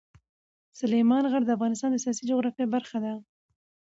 سلیمان غر د افغانستان د سیاسي جغرافیه برخه ده.